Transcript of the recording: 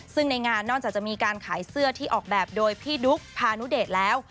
ซึ่งในงานนอกจากจะมีการขายเสื้อที่ออกแบบโดยพี่ดุ๊กพานุเดชแล้ว